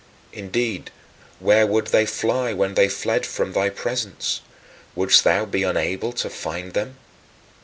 Indeed, where would they fly when they fled from thy presence? Wouldst thou be unable to find them?